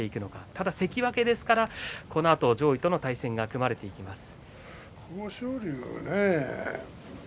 ただ関脇ですからこのあと上位との対戦が組まれてきます。